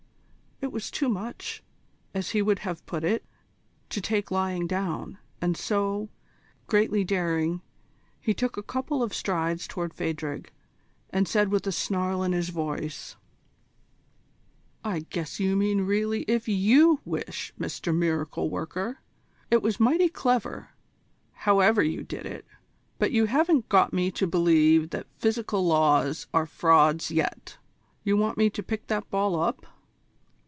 It was too much, as he would have put it, to take lying down, and so, greatly daring, he took a couple of strides towards Phadrig, and said with a snarl in his voice: "I guess you mean really if you wish, Mr Miracle Worker. It was mighty clever, however you did it, but you haven't got me to believe that physical laws are frauds yet. You want me to pick that ball up?"